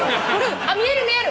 見える見える。